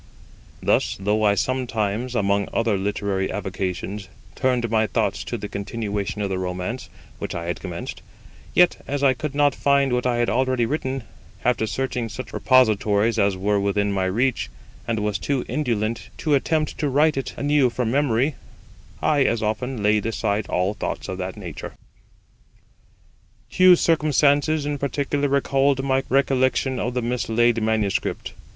Thus, though I sometimes, among other literary avocations, turned my thoughts to the continuation of the romance which I had commenced, yet, as I could not find what I had already written, after searching such repositories as were within my reach, and was too indolent to attempt to write it anew from memory, I as often laid aside all thoughts of that nature. Two circumstances in particular recalled my recollection of the mislaid manuscript.